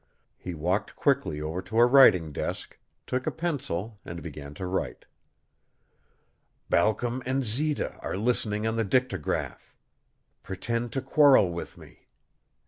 He walked quickly over to a writing desk, took a pencil, and began to write. "Balcom and Zita are listening on the dictagraph. Pretend to quarrel with me."